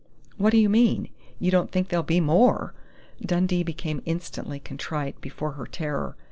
"What do you mean?.... You don't think there'll be more ?" Dundee became instantly contrite before her terror.